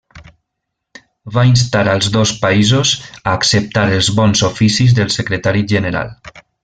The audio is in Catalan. Va instar els dos països a acceptar els bons oficis del secretari general.